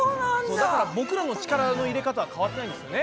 だから僕らの力の入れ方は変わってないんですよね。